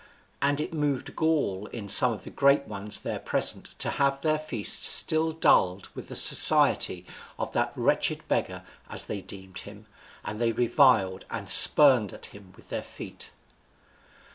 And it moved gall in some of the great ones there present to have their feast still dulled with the society of that wretched beggar as they deemed him, and they reviled and spurned at him with their feet.